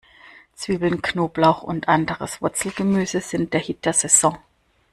Zwiebeln, Knoblauch und anderes Wurzelgemüse sind der Hit der Saison.